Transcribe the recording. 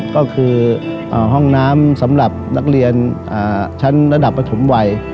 ก็คือห้องน้ำสำหรับนักเรียนชั้นระดับประถมวัย